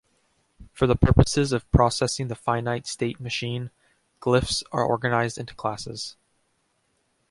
For the purposes of processing the finite state machine, glyphs are organized into classes.